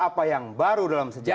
apa yang baru dalam sejarah